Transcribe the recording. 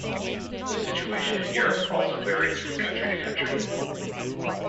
The situation in Europe also varies from country to country.